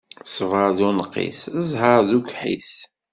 Ṣṣbeṛ d unqis, ẓẓheṛ d ukḥis.